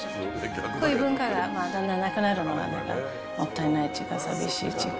こういう文化がだんだんなくなるのが、もったいないっていうか、寂しいっていうか。